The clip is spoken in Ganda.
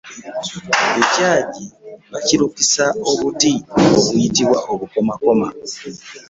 Ekyagi bakirukisa obuti obuyitibwa obukomakoma.